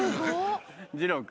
じろう君。